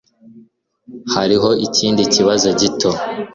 Hariho ikindi kibazo gito